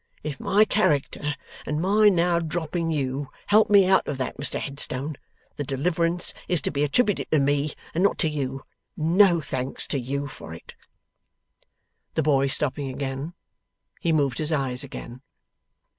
If my character, and my now dropping you, help me out of that, Mr Headstone, the deliverance is to be attributed to me, and not to you. No thanks to you for it!' The boy stopping again, he moved his eyes again.